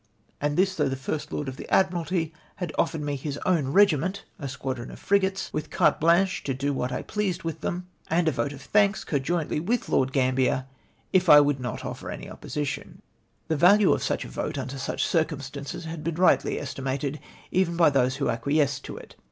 And this though the First Lord of the Admiralty had offered me his own regiment — a squadron of frigates, with carte blanche to do what I pleased with them — and a vote of thanks, conjointly with Lord Gambler, if I w^ould not offer any opposition !]]•_> VET THE CREDIT OF THE AFFAIR (i IV FN TO .ME. The value of sucli a ^ ote under sucli circumstances had been rightly estimated, even by those who ac quiesced in it.